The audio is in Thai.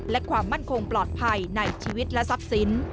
และความมั่นคงปลอดภัยในชีวิตและทรัพย์สิน